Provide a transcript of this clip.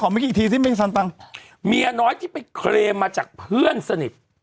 ขออีกทีสิแม่งสันตังค์เมียน้อยที่ไปเคลมมาจากเพื่อนสนิท